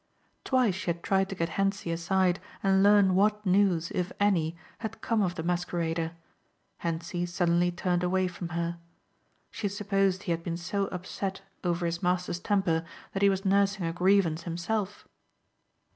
Twice she had tried to get Hentzi aside and learn what news, if any, had come of the masquerader. Hentzi sullenly turned away from her. She supposed he had been so upset over his master's temper that he was nursing a grievance himself.